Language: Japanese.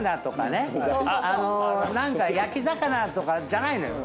何か焼き魚とかじゃないのよ。